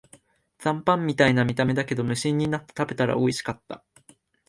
残飯みたいな見た目だけど、無心になって食べたらおいしかった